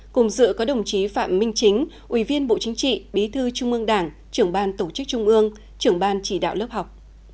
cùng dự có đồng chí phạm minh chính ủy viên bộ chính trị bí thư trung ương đảng trưởng ban tổ chức trung ương trưởng ban chỉ đạo lớp học